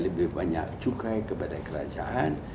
lebih banyak cukai kepada kerajaan